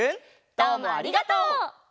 どうもありがとう！